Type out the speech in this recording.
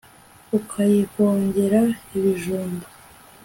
Ukayihongera ibijumba